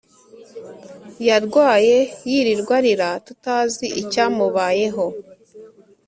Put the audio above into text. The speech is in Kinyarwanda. Yarwaye yirirwa arira tutazi icyamubayeho